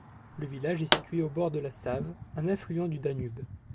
Le village est situé au bord de la Save, un affluent du Danube.